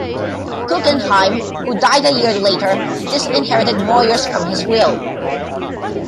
Guggenheim, who died a year later, disinherited Moyers from his will.